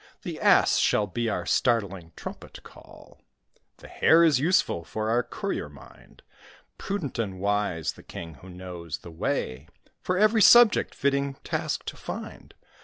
The Ass shall be our startling trumpet call; The Hare is useful for our courier, mind." Prudent and wise the King who knows the way For every subject fitting task to find.